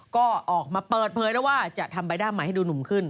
ก็ออกมาเปิดเผยแล้วว่าจะทำใบหน้าใหม่ให้ดูหนุ่มขึ้น